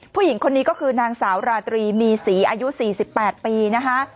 ผู้หญิงคนนี้ก็คือนางสาวราตรีมีศรีอายุ๔๘ปีนะคะ